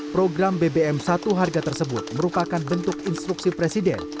program bbm satu harga tersebut merupakan bentuk instruksi presiden